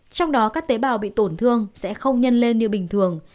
trong đó các tế bào bị tổn thương sẽ không nhân lên như bình thường